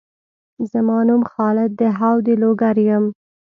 زما نوم خالد دهاو د لوګر یم